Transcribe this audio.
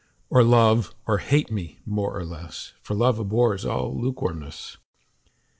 Or love or hate me more or less, 5 For love abhors all lukewarmness.